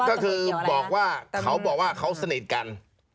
ก็คือบอกว่าเขาบอกว่าเขาสนิทกัน